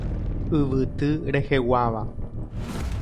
Yvyty reheguáva.